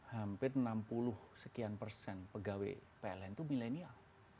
hampir enam puluh sekian persen pegawai pln itu milenial